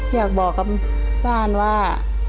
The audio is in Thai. อยากบอกกับบ้านว่า